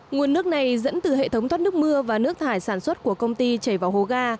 nguồn nước này dẫn từ hệ thống thoát nước mưa và nước thải sản xuất của công ty chảy vào hồ ga